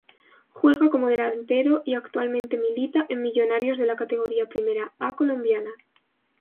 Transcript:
Juega como delantero y actualmente milita en Millonarios de la Categoría Primera A colombiana.